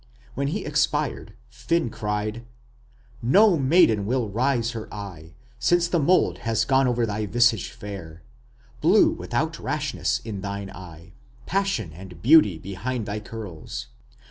When he expired, Finn cried: No maiden will raise her eye Since the mould has gone over thy visage fair... Blue without rashness in thine eye! Passion and beauty behind thy curls!...